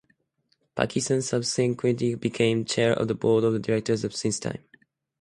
Parkinson subsequently became chair of the board of directors of Systime.